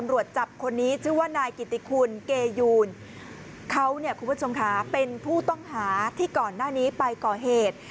ว่านายกิติคุณเกยูนเขาเป็นผู้ต้องหาที่ก่อนหน้านี้ไปก่อเหตุ